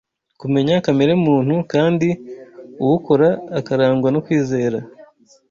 kumenya kamere muntu, kandi uwukora akarangwa no kwizera